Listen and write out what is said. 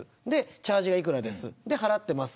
チャージが幾らですで、払ってます。